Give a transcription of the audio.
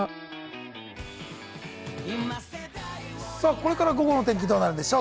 これから午後の天気はどうなるでしょう。